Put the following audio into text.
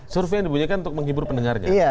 survei yang dibunyikan untuk menghibur pendengarnya